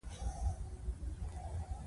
هغه شيان جذبوي چې په هغه کې يې رېښې کړې وي.